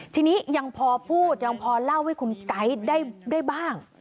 ทีนี้ยังพอพูดยังพอเล่าให้คุณไก๊ได้บ้าง